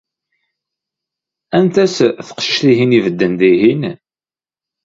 Anta-tt teqcict-ihin ibeddin dihin?